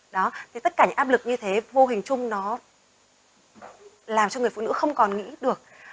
đó thì tất cả những áp lực như thế vô hình chung nó làm cho người phụ nữ không còn nghĩ được